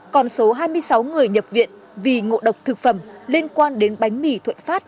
còn số hai mươi sáu người nhập viện vì ngộ độc thực phẩm liên quan đến bánh mì thuận phát